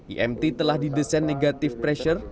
imt telah didesain negative pressure